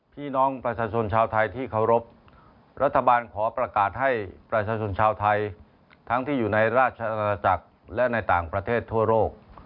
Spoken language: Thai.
พี่น้องประชาชนชาวไทยที่เคารพรัฐบาลขอประกาศให้ประชาชนชาวไทยทั้งที่อยู่ในราชอาณาจักรและในต่างประเทศทั่วโลก